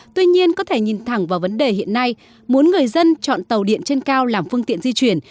tuy nhiên có thể nhìn thẳng vào vấn đề hiện nay muốn người dân chọn tàu điện trên cao làm phương tiện di chuyển